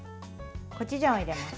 コチュジャンを入れます。